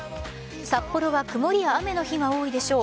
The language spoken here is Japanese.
札幌は曇りや雨の日が多いでしょう。